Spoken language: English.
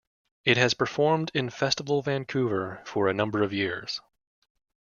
It has performed in Festival Vancouver for a number of years.